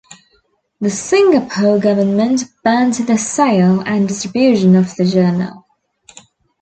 The Singapore government banned the sale and distribution of the journal.